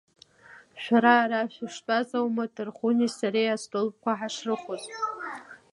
Шәара ара шәыштәаз аума Ҭархәынеи сареи астолқәа ҳашрыхоз…